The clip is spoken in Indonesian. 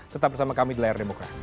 tetap bersama kami di layar demokrasi